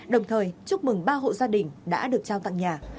đồng thời chúc mừng ba hộ gia đình đã được trao tặng nhà